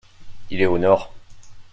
Il est au nord.